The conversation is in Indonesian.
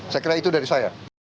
saya kira itu dari saya